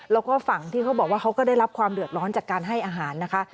แล้วก็ฝั่งที่เขาบอกว่าเขาก็ได้รับความเดือดร้อนจากการให้อาหารนะคะ